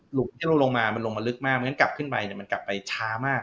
ที่เราลงมามันลงมาลึกมากไม่งั้นกลับขึ้นไปมันกลับไปช้ามาก